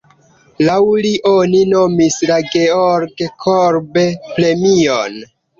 Laŭ li oni nomis la Georg-Kolbe-premion.